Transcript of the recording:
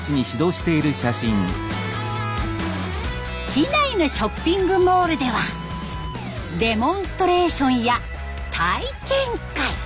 市内のショッピングモールではデモンストレーションや体験会。